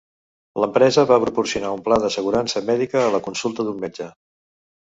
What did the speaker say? L'empresa va proporcionar un pla d'assegurança mèdica a la consulta d'un metge.